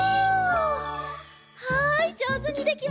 はいじょうずにできました。